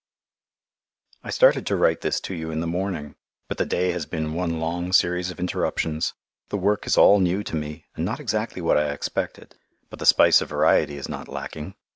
I started to write this to you in the morning, but the day has been one long series of interruptions. The work is all new to me and not exactly what I expected, but the spice of variety is not lacking.